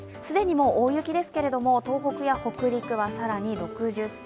既にもう大雪ですけれども、東北や北陸は更に６０ｃｍ